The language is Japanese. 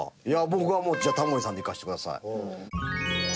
僕はもうじゃあタモリさんでいかせてください。